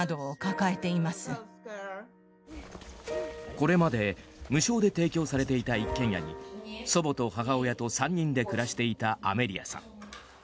これまで無償で提供されていた一軒家に祖母と母親と３人で暮らしていたアメリアさん。